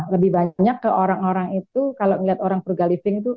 lebih banyak ke orang orang itu kalau ngeliat orang frugal living itu